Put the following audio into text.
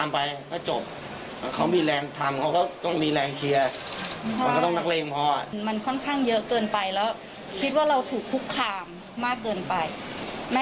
ไปฟังเสียงทั้งคู่กันหน่อยค่ะ